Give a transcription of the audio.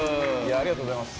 ありがとうございます。